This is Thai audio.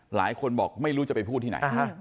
หลายคนบอกไม่รู้จะไปพูดที่ไหน